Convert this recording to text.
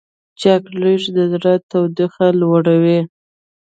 چاکلېټ د زړه تودوخه لوړوي.